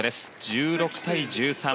１６対１３。